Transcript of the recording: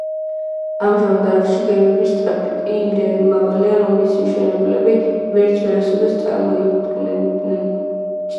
ამჟამად არხში გემების ტრაფიკი იმდენად მაღალია, რომ მისი მშენებლები ვერც ვერასოდეს წარმოიდგენდნენ.